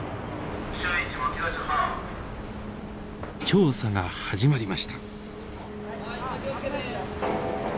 調査が始まりました。